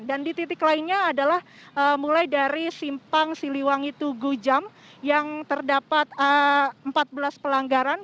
dan di titik lainnya adalah mulai dari simpang siliwangi tugu jam yang terdapat empat belas pelanggaran